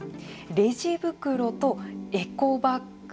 レジ袋とエコバッグ。